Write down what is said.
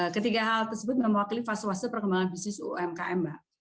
ketiga hal tersebut mewakili fase fase perkembangan bisnis umkm mbak